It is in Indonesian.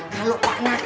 kalau pak nagraj